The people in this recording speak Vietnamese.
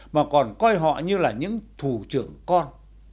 mà còn coi họ như là những thủ trưởng con